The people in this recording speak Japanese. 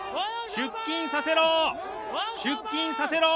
出勤させろ！